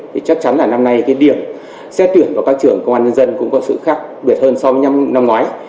thì chắc chắn là năm nay cái điểm xét tuyển vào các trường công an nhân dân cũng có sự khác biệt hơn so với năm ngoái